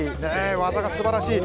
技がすばらしい。